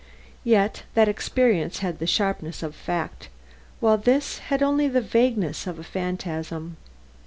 Yet, that experience had the sharpness of fact; while this had only the vagueness of a phantasm.